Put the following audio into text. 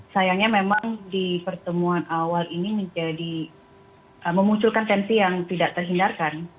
sayangnya memang di pertemuan awal ini menjadi memunculkan tensi yang tidak terhindarkan